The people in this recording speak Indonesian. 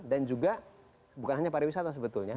dan juga bukan hanya pariwisata sebetulnya